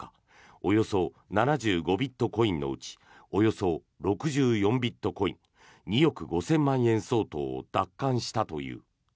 およそ７５ビットコインのうちおよそ６４ビットコイン２億５０００万円相当を奪還したという。